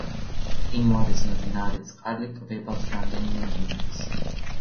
მყინვარის მდნარი წყალი კვებავს რამდენიმე მდინარეს.